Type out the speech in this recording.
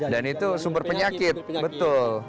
dan itu sumber penyakit betul